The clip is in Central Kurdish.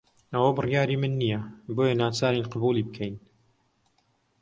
ئەوە بڕیاری من نییە، بۆیە ناچارین قبوڵی بکەین.